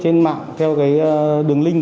trên mạng theo đường link